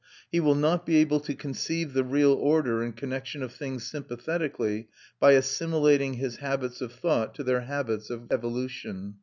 He will not be able to conceive the real order and connection of things sympathetically, by assimilating his habits of thought to their habits of evolution.